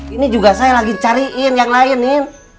ini juga saya lagi cariin yang lain nih